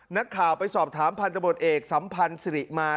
นักข่าวไปสอบถามพันธบทเอกสัมพันธ์สิริมา